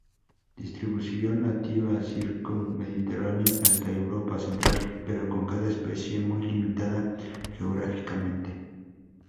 Distribución nativa circum-mediterránea, hasta Europa Central, pero con cada especie muy limitada geográficamente.